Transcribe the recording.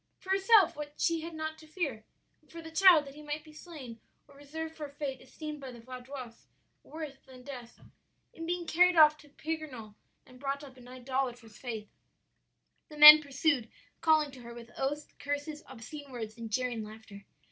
"For herself what had she not to fear! and for the child that he might be slain or reserved for a fate esteemed by the Vaudois worse than death, in being carried off to Pignerol and brought up in an idolatrous faith. "The men pursued, calling to her with oaths, curses, obscene words, and jeering laughter.